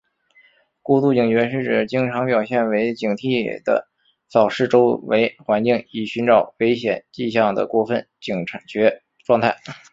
过度警觉是指经常表现为警惕地扫视周围环境以寻找危险迹象的过分警觉状态。